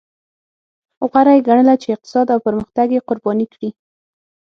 غوره یې ګڼله چې اقتصاد او پرمختګ یې قرباني کړي.